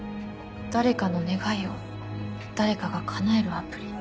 誰かの願いを誰かが叶えるアプリ。